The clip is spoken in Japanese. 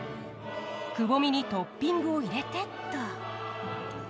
くぼみにトッピングを入れてっと。